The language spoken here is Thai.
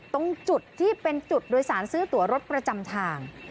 ตรงจุดที่เป็นจุดโดยสารซื้อตัวรถประจำทาง